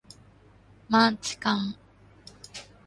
マンチカン